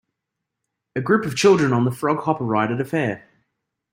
A group of children on the Frog Hopper ride at a fair.